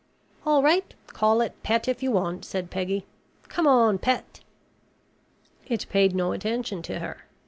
"All right, call it Pet if you want," said Peggy. "Come on, Pet." It paid no attention to her.